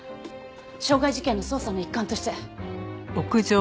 傷害事件の捜査の一環として。